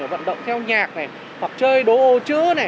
vận động theo nhạc này hoặc chơi đố ô chữ này